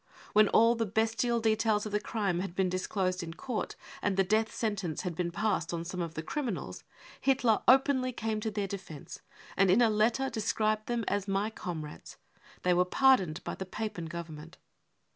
When all the bestial details of the crime had been disclosed in court and the death sentence had been passed on some of the criminals, Hitler openly came to their defence and in a letter described them as " my comrades. 55 They were, pardoned by the Papen Government.